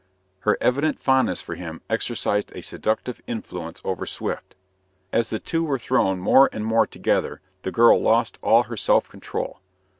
Her evident fondness for him exercised a seductive influence over Swift. As the two were thrown more and more together, the girl lost all her self control.